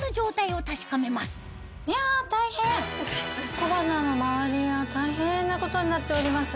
小鼻の周りが大変なことになっております。